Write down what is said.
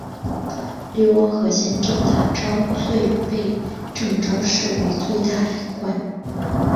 流亡河仙镇的昭最被郑昭视为最大隐患。